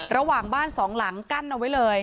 ระหว่างบ้านสองหลังกั้นเอาไว้เลย